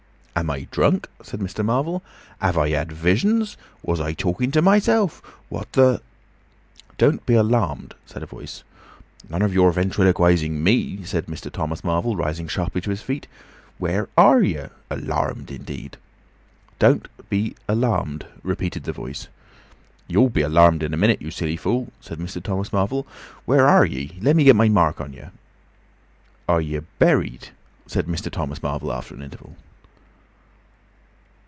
"Am I drunk?" said Mr. Marvel. "Have I had visions? Was I talking to myself? What the—" "Don't be alarmed," said a Voice. "None of your ventriloquising me," said Mr. Thomas Marvel, rising sharply to his feet. "Where are yer? Alarmed, indeed!" "Don't be alarmed," repeated the Voice. "You'll be alarmed in a minute, you silly fool," said Mr. Thomas Marvel. "Where are yer? Lemme get my mark on yer... "Are yer buried?" said Mr. Thomas Marvel, after an interval.